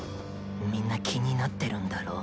みんな気になってるんだろ？